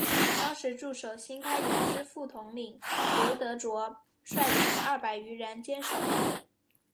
当时驻守新开园之副统领刘德杓率领二百余人坚守。